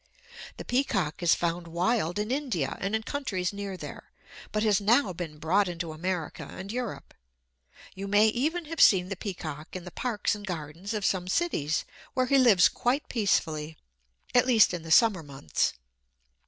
The peacock is found wild in India and in countries near there, but has now been brought into America and Europe. You may even have seen the peacock in the parks and gardens of some cities, where he lives quite peacefully, at least in the summer months.